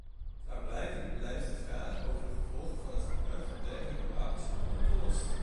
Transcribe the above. Klaarblijkelijk blijft de vraag over de gevolgen van het gebruik van dergelijke wapens onopgelost.